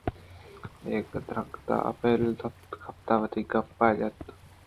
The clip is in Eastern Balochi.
اے درگت ءَ آپیل ءَ دپ کپت ءُ وتی گپّے جَت اَنت